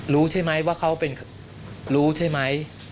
รู้ใช่ไหมว่าเขารู้ใช่ไหม